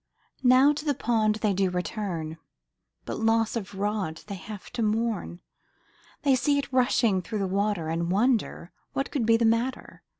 Now to the pond they do return, But loss of rod they have to mourn, They see it rushing through the water, And wonder what can be the matter.